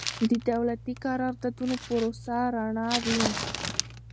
د دولتي قراردادونو پروسه رڼه وي.